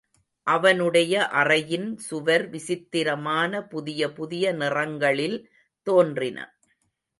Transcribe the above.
அவனுடைய அறையின் சுவர் விசித்திரமான புதிய புதிய நிறங்களில் தோன்றின.